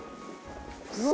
うわ。